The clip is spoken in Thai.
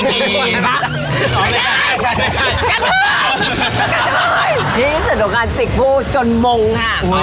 นี้ซึ่งระดับการนี่สนุกกันติดผู้จนมงค่ะ